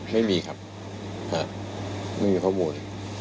ไม่มีครับไม่มีข้อมูล